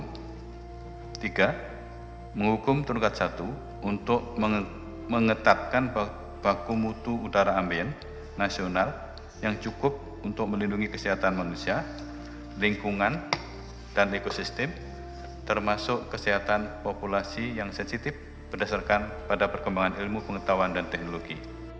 terdekat satu terdekat tiga menghukum terdekat satu untuk mengetatkan baku mutu udara ambien nasional yang cukup untuk melindungi kesehatan manusia lingkungan dan ekosistem termasuk kesehatan populasi yang sensitif berdasarkan pada perkembangan ilmu pengetahuan dan teknologi